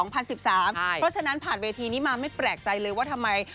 เพราะฉะนั้นผ่านเวทีนี้มาไม่แปลกใจเลยว่าทำไม